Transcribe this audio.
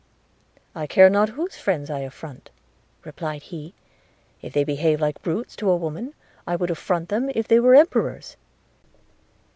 'I care not whose friends I affront,' replied he: 'if they behave like brutes to a woman, I would affront them if they were emperors.'